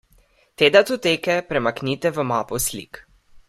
Te datoteke premaknite v mapo slik.